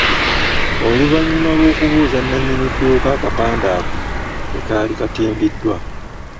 Oluvannyuma lw’okubuuza nannyini dduuka akapande ako kwe kaali katimbiddwa.